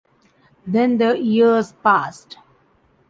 Then the years passed.